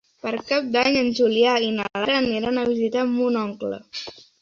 Per Cap d'Any en Julià i na Lara aniran a visitar mon oncle.